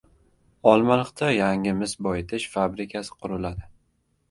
Olmaliqda yangi mis boyitish fabrikasi quriladi